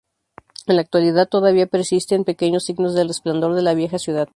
En al actualidad, todavía persisten pequeños signos del resplandor de la vieja ciudad.